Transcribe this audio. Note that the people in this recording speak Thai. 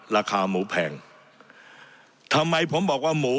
ราคาหมูแพงทำไมผมบอกว่าหมู